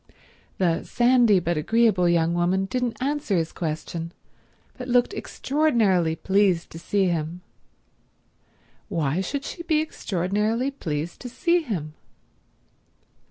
The sandy but agreeable young woman didn't answer his question, but looked extraordinarily pleased to see him. Why should she be extraordinarily pleased to see him?